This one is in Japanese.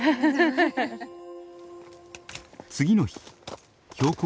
次の日標高